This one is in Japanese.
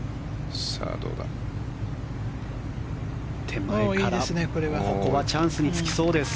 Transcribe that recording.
手前からここはチャンスにつきそうです。